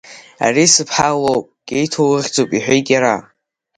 Ари сыԥҳа лоуп, Қьеҭо лыхьӡуп, — иҳәеит иара.